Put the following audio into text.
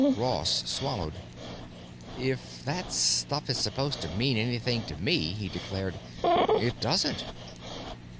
Ross swallowed. "If that stuff is supposed to mean anything to me," he declared, "it doesn't."